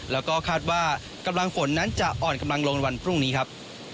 แล้วก็คาดว่ากำลังฝนนั้นจะอ่อนกำลังลงวันพรุ่งนี้ครับ